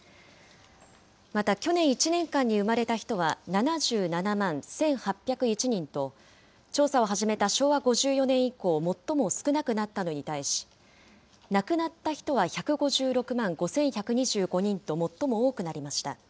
また去年１年間に生まれた人は、７７万１８０１人と、調査を始めた昭和５４年以降、最も少なくなったのに対し、亡くなった人は１５６万５１２５人と最も多くなりました。